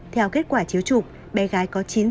theo kết quả chiếu trục bé gái có chiếu trục